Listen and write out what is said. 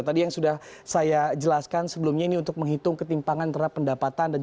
tadi yang sudah saya jelaskan sebelumnya ini untuk menghitung ketimpangan terhadap pendapatan